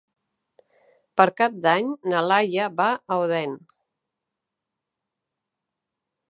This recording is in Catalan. Per Cap d'Any na Laia va a Odèn.